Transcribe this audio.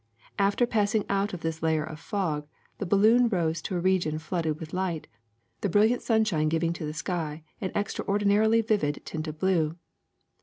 ALfter passing out of this layer of fog the balloon rose to a region flooded with light, the brilliant sunshine giving to the sky an extraordinarily vivid tint of blue.